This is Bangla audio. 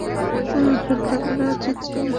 তোর অপেক্ষা করা উচিত ছিল।